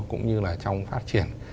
cũng như là trong phát triển